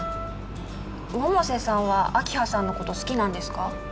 百瀬さんは明葉さんのこと好きなんですか？